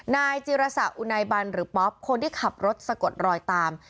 นายจิรษะอุนายบันหรือป๊อปคนที่ขับรถสะกดรอยตาม